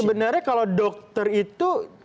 sebenarnya kalau dokter itu